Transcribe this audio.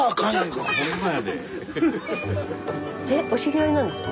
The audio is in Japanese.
お知り合いなんですか？